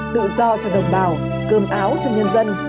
tự do cho đồng bào cơm áo cho nhân dân